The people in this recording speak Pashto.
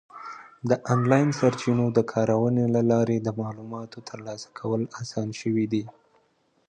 د آنلاین سرچینو د کارونې له لارې د معلوماتو ترلاسه کول اسان شوي دي.